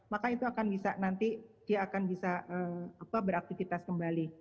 maka itu akan bisa nanti dia akan bisa beraktivitas kembali